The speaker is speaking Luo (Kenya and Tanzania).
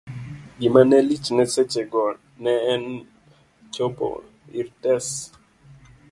gima ne lichne seche go ne en chopo ir Tess